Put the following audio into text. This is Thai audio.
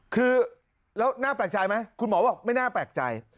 คือแล้วน่าแปลกใจไหมคุณหมอบอกไม่น่าแปลกใจ